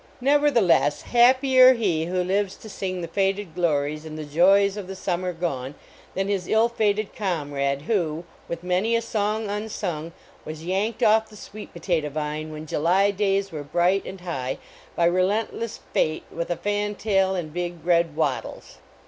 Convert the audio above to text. Nevertheless, happier he who lives to sing 162 THE KATYDID IN OPERA the faded glories and the joys of the summer gone, than his ill fated comrade, who, with many a song unsung, was " yanked " off the sweet potato vine, when July days were bright and high, by relentless fate, with a fan tail and big red wattles.